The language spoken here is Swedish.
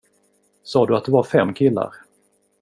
Sa du att det var fem killar?